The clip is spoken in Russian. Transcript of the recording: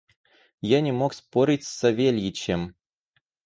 Я не мог спорить с Савельичем.